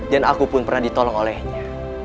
aku pun pernah ditolong olehnya